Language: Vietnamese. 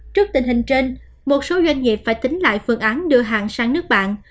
trước tình hình trên một số doanh nghiệp phải tính lại phương án đưa hàng sang nước bạn